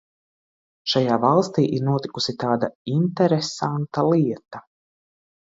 Šajā valstī ir notikusi tāda interesanta lieta.